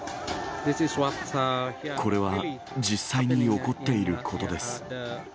これは実際に起こっていることです。